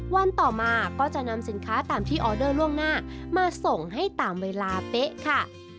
วันต่อมาก็จะนำสินค้าตามที่ออเดอร์ล่วงหน้ามาส่งให้ตามเวลาเป๊ะค่ะ